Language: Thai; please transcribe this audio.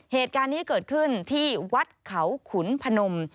เหตุการณ์นี้เกิดขึ้นที่วัดเขาขุนพนม